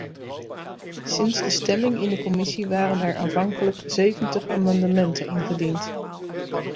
Sinds de stemming in de commissie waren er aanvankelijk zeventig amendementen ingediend.